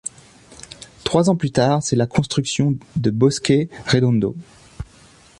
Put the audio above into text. Trois ans plus tard, c'est la construction de Bosque Redondo.